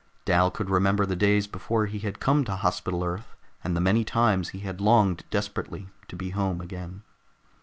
Dal could remember the days before he had come to Hospital Earth, and the many times he had longed desperately to be home again.